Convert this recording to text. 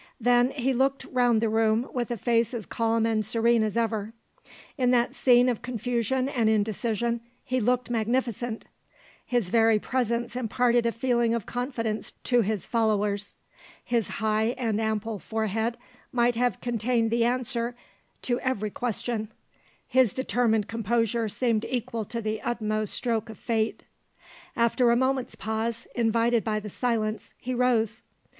Then he looked round the room, with a face as calm and serene as ever. In that scene of confusion and indecision he looked magnificent. His very presence imparted a feeling of confidence to his followers. His high and ample forehead might have contained the answer to every question; his determined composure seemed equal to the utmost stroke of Fate. After a moment's pause, invited by the silence, he rose.